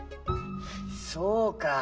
そうか。